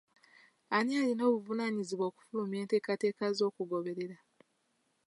Ani alina obuvunaanyizibwa bw'okufulumya enteekateeka z'okugoberera?